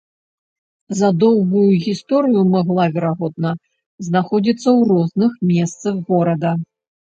За доўгую гісторыю магла, верагодна, знаходзіцца ў розных месцах горада.